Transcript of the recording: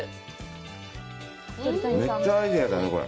めっちゃアイデアだね、これ！